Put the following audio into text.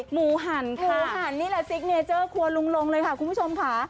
หมูหั่นหมูหั่นนี่แหละซิกเนเจอร์ครัวลุงลงเลยค่ะคุณผู้ชมค่ะ